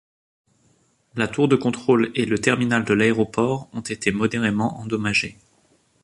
La tour de contrôle et le terminal de l'aéroport ont été modérément endommagés.